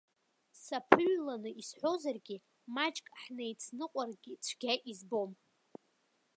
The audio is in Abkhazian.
Саԥыҩланы исҳәозаргьы, маҷк ҳнеицныҟәаргьы цәгьа избом.